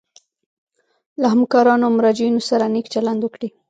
له همکارانو او مراجعینو سره نیک چلند وکړي.